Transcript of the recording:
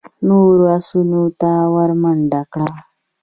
نورو آسونو ته ور منډه کړه.